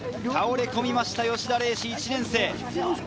倒れこみました吉田礼志・１年生。